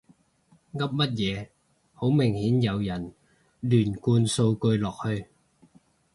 噏乜嘢，好明顯有人亂灌數據落去